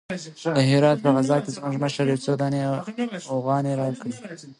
د دهراوت په غزا کښې زموږ مشر يو څو اوغانۍ راکړې وې.